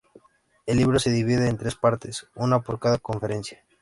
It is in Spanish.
El libro se divide en tres partes, una por cada conferencia.